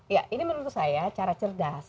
ya ini menurut saya cara cerdas